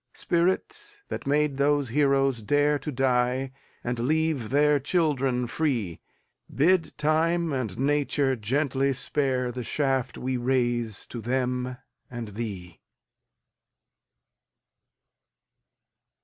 Spirit, that made those heroes dareTo die, and leave their children free, Bid Time and Nature gently spareThe shaft we raise to them and thee.